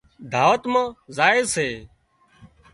دعوت مان زائي سي